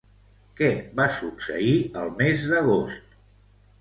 Què va succeir el mes d'agost?